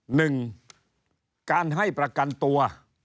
หนึ่งการให้ประกันตัว